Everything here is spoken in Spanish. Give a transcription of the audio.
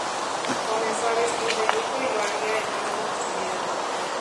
Comenzó a vestir de luto y lo haría el resto de su vida.